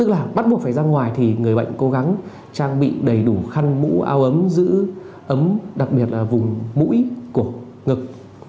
đã buộc phải ra ngoài thì người bệnh cố gắng trang bị đầy đủ khăn mũ ao ấm giữ ấm đặc biệt là vùng mũi của ngực